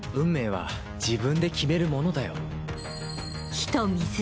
火と水。